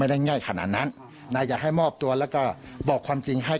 มันไม่ง่ายขนาดผมต้องให้มอบตัวและบอกความจริงให้